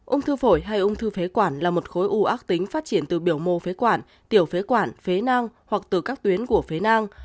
ung thư phổi hay ung thư phế quản là một khối u ác tính phát triển từ biểu mô phế quản tiểu phế quản phế nang hoặc từ các tuyến của phế nang